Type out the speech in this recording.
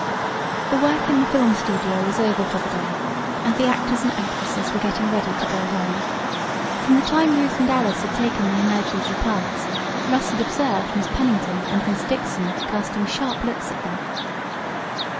The work in the film studio was over for the day and the actors and actresses were getting ready to go home. From the time Ruth and Alice had taken the emergency parts Russ had observed Miss Pennington and Miss Dixon casting sharp looks at them.